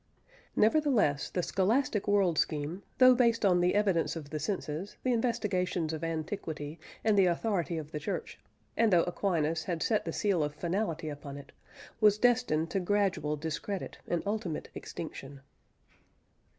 Nevertheless, the Scholastic world scheme, though based on "the evidence of the senses, the investigations of antiquity, and the authority of the Church," and though Aquinas had set the seal of finality upon it, was destined to gradual discredit and ultimate extinction.